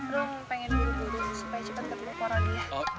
rum pengen buru buru supaya cepet ketemu porodia